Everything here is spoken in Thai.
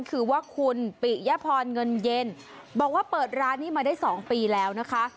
คือว่าคุณปิยพรเงินเย็นบอกว่าเปิดร้านนี้มาได้๒ปีแล้วนะคะ